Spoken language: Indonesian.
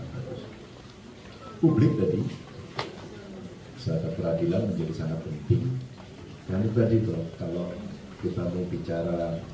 kita bisa sedikit lebih mengungkapkan lagi di dalam proses diopolitas